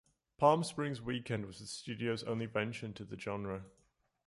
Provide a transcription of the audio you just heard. "Palm Springs Weekend" was the studio's only venture into the genre.